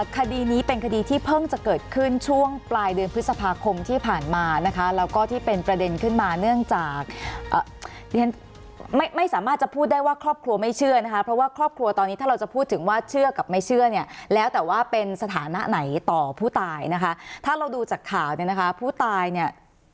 คดีนี้เป็นคดีที่เพิ่งจะเกิดขึ้นช่วงปลายเดือนพฤษภาคมที่ผ่านมานะคะแล้วก็ที่เป็นประเด็นขึ้นมาเนื่องจากเรียนไม่สามารถจะพูดได้ว่าครอบครัวไม่เชื่อนะคะเพราะว่าครอบครัวตอนนี้ถ้าเราจะพูดถึงว่าเชื่อกับไม่เชื่อเนี่ยแล้วแต่ว่าเป็นสถานะไหนต่อผู้ตายนะคะถ้าเราดูจากข่าวเนี่ยนะคะผู้ตายเนี่ย